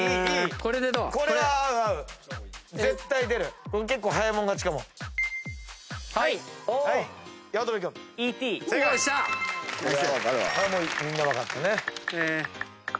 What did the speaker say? これみんな分かったね。